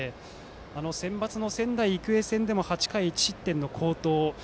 センバツの仙台育英戦でも８回１失点の好投。